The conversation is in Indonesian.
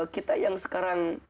kita yang sekarang